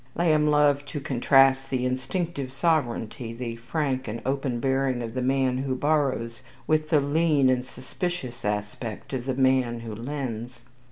Lamb loved to contrast the "instinctive sovereignty," the frank and open bearing of the man who borrows with the "lean and suspicious" aspect of the man who lends.